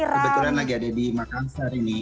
kebetulan lagi ada di makassar ini